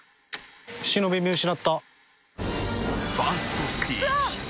忍見失った。